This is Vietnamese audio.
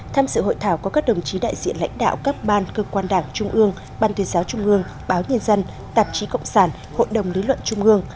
tham dự hội thảo có các đồng chí đại diện lãnh đạo các ban cơ quan đảng trung ương ban tuyên giáo trung ương báo nhân dân tạp chí cộng sản hội đồng lý luận trung ương